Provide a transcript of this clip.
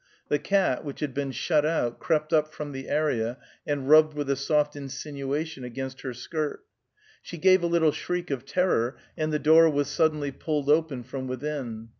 The cat, which had been shut out, crept up from the area, and rubbed with a soft insinuation against her skirt. She gave a little shriek of terror, and the door was suddenly pulled open from within.